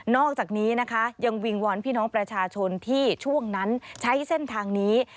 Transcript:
อกจากนี้นะคะยังวิงวอนพี่น้องประชาชนที่ช่วงนั้นใช้เส้นทางนี้